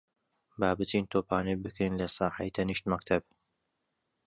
با بچین تۆپانێ بکەین لە ساحەی تەنیشت مەکتەب.